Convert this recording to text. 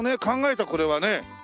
考えたこれはね。